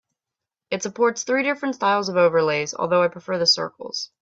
It supports three different styles of overlays, although I prefer the circles.